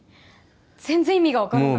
全然意味が分からない